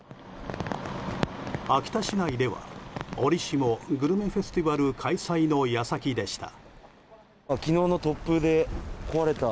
秋田市内では、おりしもグルメフェスティバル開催の矢先でした。